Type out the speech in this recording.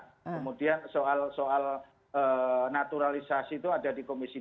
kemudian soal naturalisasi itu ada di komisi d